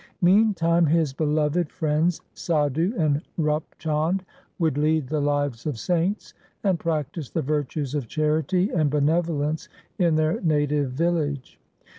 Meantime his beloved friends Sadhu and Rup Chand would lead the lives of saints, and practise the virtues of charity and benevolence in their native village.